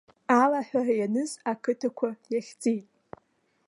Алаҳәара ианыз ақыҭа иахьӡеит.